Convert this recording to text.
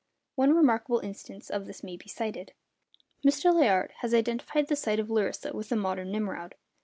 One remarkable instance of this may be cited. Mr. Layard has identified the site of Larissa with the modern Nimroud.